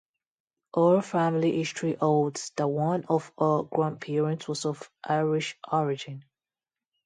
Oral family history holds that one of her grandparents was of Irish origin.